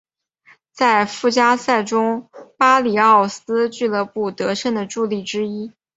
在附加赛中巴里奥斯俱乐部得胜的助力之一。